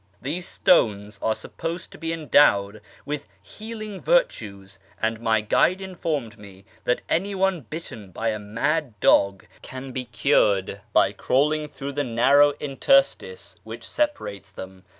These stones are supposed to be endowed with healing virtues, and my guide informed me that any one bitten by a mad dog can be cured by crawling through the narrow interstice which separates them.